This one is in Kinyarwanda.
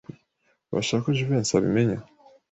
Urashaka ko Jivency abimenya?